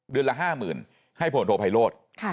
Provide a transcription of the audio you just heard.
เดือนละห้าหมื่นให้พวงโทษไพโลศ